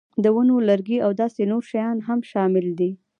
د ونو لرګي او داسې نور شیان هم شامل دي.